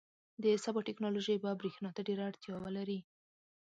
• د سبا ټیکنالوژي به برېښنا ته ډېره اړتیا ولري.